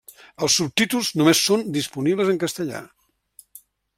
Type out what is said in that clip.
Els subtítols només són disponibles en castellà.